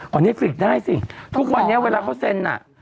ก็เน็ตฟิกได้สิทุกวันเนี่ยเวลาเขาเซ็นอ่ะ